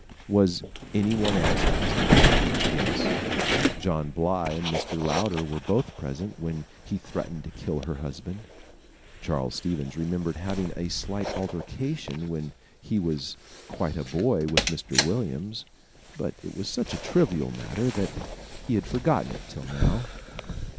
Was any one else present? Yes. John Bly and Mr. Louder were both present when he threatened to kill her husband. Charles Stevens remembered having a slight altercation when he was quite a boy with Mr. Williams; but it was such a trivial matter that he had forgotten it till now.